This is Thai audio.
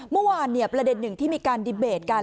เมื่อวานประเด็นหนึ่งที่มีการดีเบตกัน